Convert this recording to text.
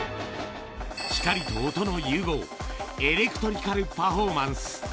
光と音の融合、エレクトリカル・パフォーマンス。